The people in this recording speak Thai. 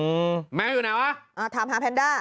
แมวอยู่ไหนวะอ่าถามหาแพนด้า